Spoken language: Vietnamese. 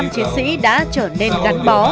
một trăm hai mươi năm chiến sĩ đã trở nên gắn bó